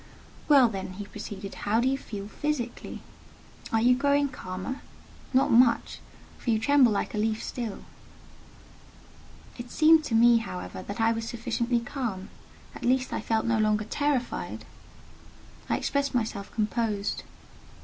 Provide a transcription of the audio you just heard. "Well then," he proceeded, "how do you feel physically? Are you growing calmer? Not much: for you tremble like a leaf still." It seemed to me, however, that I was sufficiently calm: at least I felt no longer terrified. I expressed myself composed.